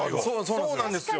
そうなんですよ。